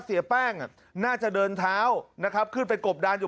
เสียแป้งน่าจะเดินเท้านะครับขึ้นไปกบดานอยู่